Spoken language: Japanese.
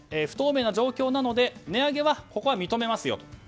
不透明な状況なので値上げは、ここは認めますよと。